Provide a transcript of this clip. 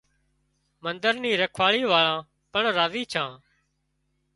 منۮر نِي رکواۯي واۯان پڻ راضي ڇان